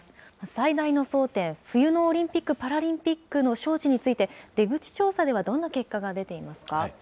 最大の争点、冬のオリンピック・パラリンピックの招致について、出口調査ではどんな結果が出ていますか。